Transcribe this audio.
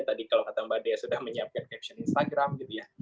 tadi kalau kata mbak dea sudah menyiapkan caption instagram gitu ya